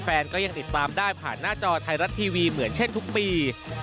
ก็ยังติดตามได้ผ่านหน้าจอไทยรัฐทีวีเหมือนเช่นทุกปี